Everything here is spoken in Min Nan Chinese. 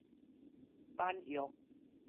挽藥